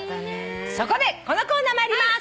そこでこのコーナー参ります。